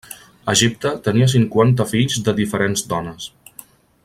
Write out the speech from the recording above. Egipte tenia cinquanta fills de diferents dones.